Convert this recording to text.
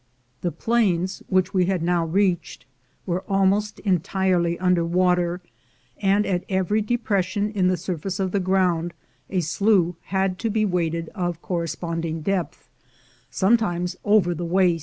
The plains, which we had now reached, were almost entirely under water, and at every depression in the surface of the ground a slough had to be waded of corresponding depth — sometimes over the waist.